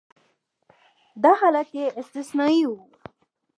دا حالت یې استثنایي و.